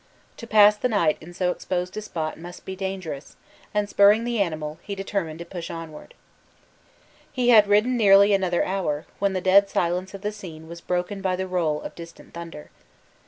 To pass the night in so exposed a spot might be dangerous, and spurring the animal, he determined to push onward. He had ridden nearly another hour, when the dead silence of the scene was broken by the roll of distant thunder.